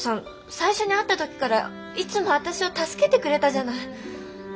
最初に会った時からいつも私を助けてくれたじゃない。